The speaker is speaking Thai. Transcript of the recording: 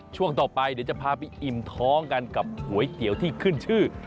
ช่วงต่อไปเดี๋ยวจะพาไปอิ่มท้องกันกับก๋วยเตี๋ยวที่ขึ้นชื่อ